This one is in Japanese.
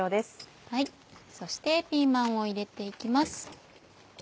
そしてピーマンを入れて行きます。